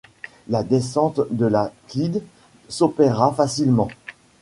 La descente de la Clyde s’opéra facilement.